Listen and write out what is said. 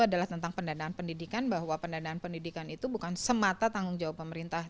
adalah tentang pendanaan pendidikan bahwa pendanaan pendidikan itu bukan semata tanggung jawab pemerintah